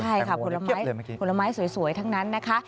ใช่ค่ะผลไม้ผลไม้สวยทั้งนั้นนะคะ